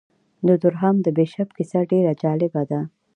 د دورهام د بیشپ کیسه ډېره جالبه ده.